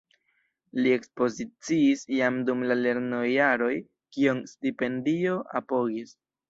Li ekspoziciis jam dum la lernojaroj, kion stipendio apogis.